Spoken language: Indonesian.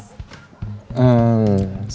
cari baju apa mas